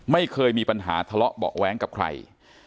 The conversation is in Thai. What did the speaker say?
ไม่เคยมีปัญหาทะเลาะเบาะแว้งกับใคร